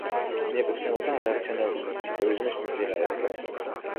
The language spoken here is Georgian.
მიეკუთვნებოდა „რაციონალური ისტორიზმის“ მიმდინარეობას.